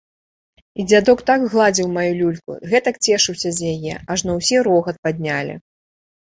І дзядок так гладзіў маю люльку, гэтак цешыўся з яе, ажно усе рогат паднялі.